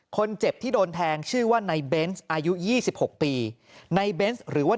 คนเจ็บที่โดนแทงชื่อว่าในเบนส์อายุ๒๖ปีในเบนส์หรือว่า